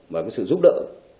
và cái sự giúp đỡ